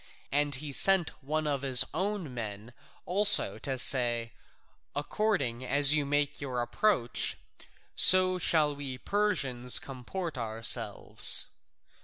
And he sent one of his own men also to say, "According as you make your approach, so shall we Persians comport ourselves."